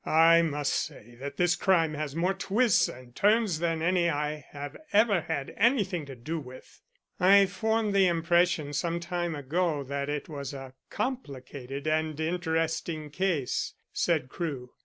I must say that this crime has more twists and turns than any I have ever had anything to do with." "I formed the impression some time ago that it was a complicated and interesting case," said Crewe.